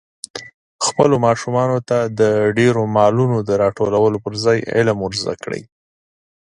خپلو ماشومانو ته د ډېرو مالونو د راټولولو پر ځای علم ور زده کړئ.